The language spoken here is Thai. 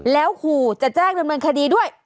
แล้วขูจะแจ้งเงินเงินคดีด้วย